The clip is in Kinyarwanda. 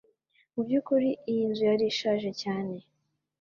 Mu by'ukuri iyi nzu yari ishaje cyane